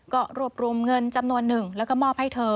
ก็รวบรวมเงินจำนวนหนึ่งแล้วก็มอบให้เธอ